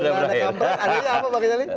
adanya apa pak celi